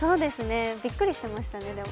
びっくりしてましたね。